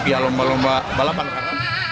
ya lomba lomba balapan